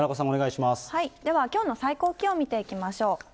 では今日の最高気温、見ていきましょう。